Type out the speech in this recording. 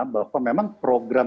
bahwa memang program